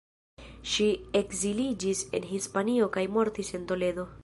Ŝi ekziliĝis en Hispanio kaj mortis en Toledo.